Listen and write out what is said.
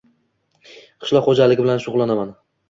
Qishloq xo'jaligi bilan shug'ullanaman.